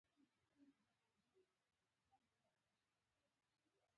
د ډ ذ ر ړ ز ژ ږ